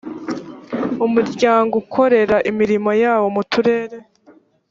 umuryango ukorera imirimo yawo mu turere